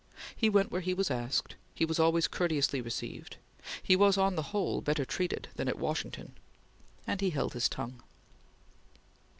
He went where he was asked; he was always courteously received; he was, on the whole, better treated than at Washington; and he held his tongue.